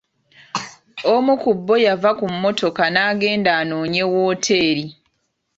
Omu ku bo yava ku mmotoka n'agenda anoonye wooteri.